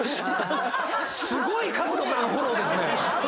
すごい角度からのフォローですね。